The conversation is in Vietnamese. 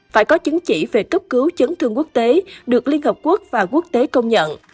phải có chứng chỉ về cấp cứu chấn thương quốc tế được liên hợp quốc và quốc tế công nhận